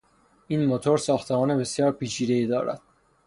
این موتور ساختمان بسیار پیچیدهای دارد.